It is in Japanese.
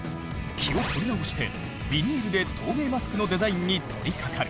気を取り直してビニールで透明マスクのデザインに取りかかる。